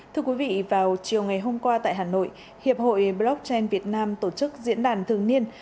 thưa quý vị vào chiều ngày hôm qua tại hà nội hiệp hội blockchain việt nam tổ chức diễn đàn thường niên